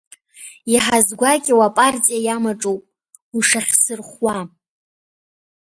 Иаҳазгәакьоу апартиа иамаҿуп ушахьсырхәуа.